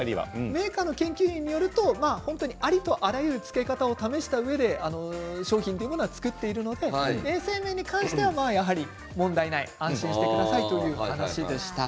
メーカーの研究員によるとありとあらゆるつけ方を試したうえで製品を作っているので衛生面に関しては問題ないので安心してくださいという話でした。